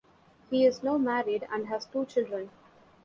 He is now married and has two children.